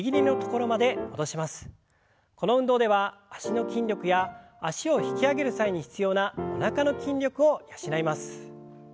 この運動では脚の筋力や脚を引き上げる際に必要なおなかの筋力を養います。